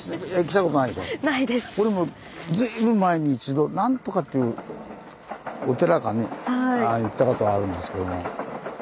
俺も随分前に一度なんとかっていうお寺かに行ったことはあるんですけども。